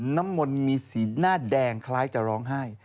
น้ำมนต์มีสีหน้าแดงคล้ายจะร้องไห้